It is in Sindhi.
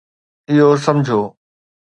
اهو سمجھو